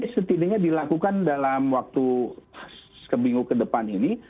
seminggu ke depan ini